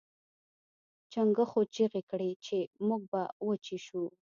چنګښو چیغې کړې چې موږ به وچې شو.